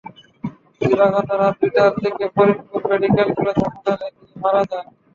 দিবাগত রাত দুইটার দিকে ফরিদপুর মেডিকেল কলেজ হাসপাতালে তিনি মারা যান।